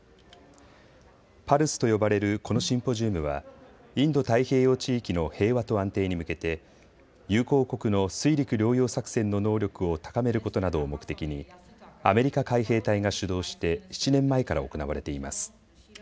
ＰＡＬＳと呼ばれるこのシンポジウムはインド太平洋地域の平和と安定に向けて友好国の水陸両用作戦の能力を高めることなどを目的にアメリカ海兵隊が主導して７年前から行われています。